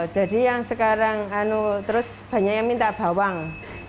jadi yang sekarang terus banyak yang minta bawang